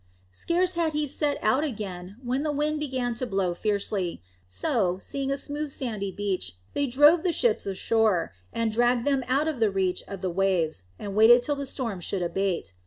Scarce had he set out again when the wind began to blow fiercely; so, seeing a smooth sandy beach, they drave the ships ashore and dragged them out of reach of the waves, and waited till the storm should abate.